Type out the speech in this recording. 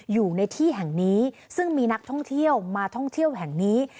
อยู่ในที่แห่งนี้ซึ่งมีนักท่องเที่ยวมาท่องเที่ยวแห่งนี้